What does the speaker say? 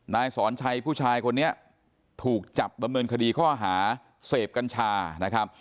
นายสอนชัยผู้ชายคนนี้ถูกจับดำเนินคดีข้อหาเสพกัญชานะครับ